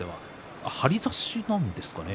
張り差しなんですかね。